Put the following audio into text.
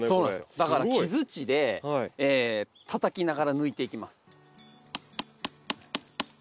だから木づちでたたきながら抜いていきます。